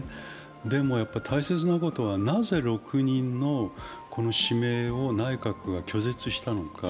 でも大切なことはなぜ６人の指名を内閣が拒絶したのか。